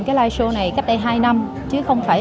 cái live show này cách đây hai năm chứ không phải